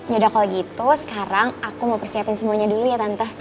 yaudah kalau gitu sekarang aku mau persiapin semuanya dulu ya tante